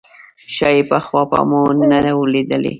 ښايي پخوا به مو نه وه لیدلې.